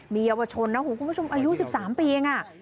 มีเยาวชนนะคุณผู้ชมอายุ๑๓ปีเอง